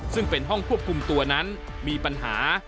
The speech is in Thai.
ซึ่งเป็นห้องควบคุมตัวนั้นมีปัญหา